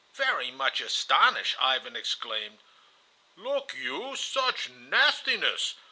Very much astonished, Ivan exclaimed: "Look you! Such nastiness!